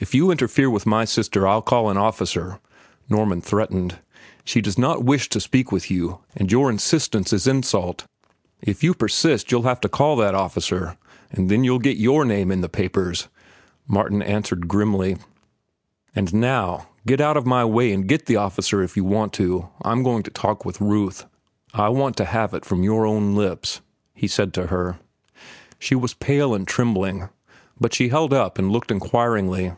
"If you interfere with my sister, I'll call an officer," Norman threatened. "She does not wish to speak with you, and your insistence is insult." "If you persist, you'll have to call that officer, and then you'll get your name in the papers," Martin answered grimly. "And now, get out of my way and get the officer if you want to. I'm going to talk with Ruth." "I want to have it from your own lips," he said to her. She was pale and trembling, but she held up and looked inquiringly.